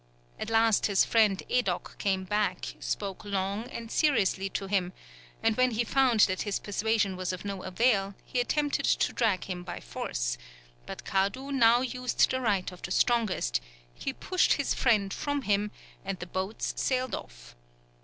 At last his friend Edock came back, spoke long and seriously to him, and when he found that his persuasion was of no avail, he attempted to drag him by force; but Kadu now used the right of the strongest, he pushed his friend from him, and the boats sailed off.